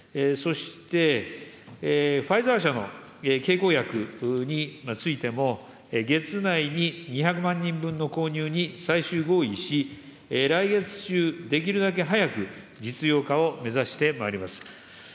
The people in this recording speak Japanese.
そして、ファイザー社の経口薬についても、月内に２００万人分の購入に最終合意し、来月中できるだけ早く実用化を目指してまいります。